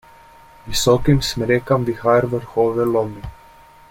Visokim smrekam vihar vrhove lomi.